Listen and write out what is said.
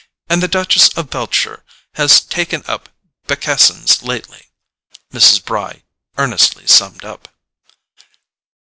And the Duchess of Beltshire has taken up Becassin's lately," Mrs. Bry earnestly summed up.